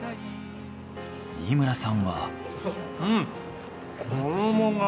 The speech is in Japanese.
新村さんは。